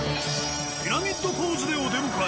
ピラミッドポーズでお出迎え。